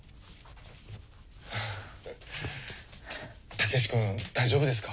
武志君大丈夫ですか？